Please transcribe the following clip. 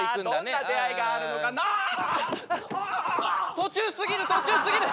途中すぎる途中すぎる！